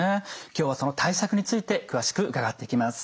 今日はその対策について詳しく伺っていきます。